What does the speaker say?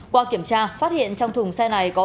qua kiểm tra phát hiện trong thùng xe này có ba bốn trăm linh